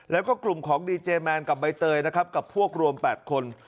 แล้วก็กลุ่มของดีเจแมนกับใบเตยนะครับกับพวกรวม๘คน